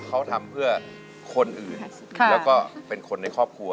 เขาทำเพื่อคนอื่นแล้วก็เป็นคนในครอบครัว